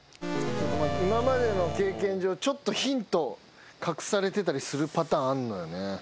今までの経験上ちょっとヒント隠されてたりするパターンあんのよね。